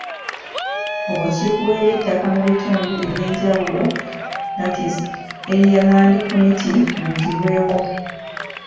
Obukiiko bw’eby'ettaka mu bitundu eby'enjawulo (Area Land Committees) buggyibwewo.